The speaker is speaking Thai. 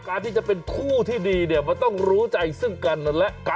การที่จะเป็นคู่ที่ดีเนี่ยมันต้องรู้ใจซึ่งกันและกัน